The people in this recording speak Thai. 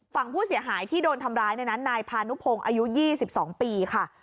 ฝั่งผู้เสียหายที่โดนทำร้ายในนั้นนายพานุพงศ์อายุ๒๒ปีค่ะ